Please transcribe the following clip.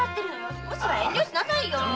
すこしは遠慮しなさいよ。